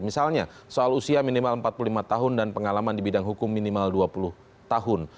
misalnya soal usia minimal empat puluh lima tahun dan pengalaman di bidang hukum minimal dua puluh tahun